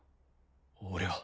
俺は？